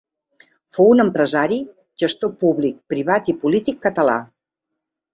Fou un empresari, gestor públic, privat i polític català.